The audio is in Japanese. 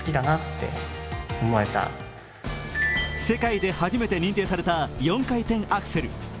世界で初めて認定された４回転アクセル。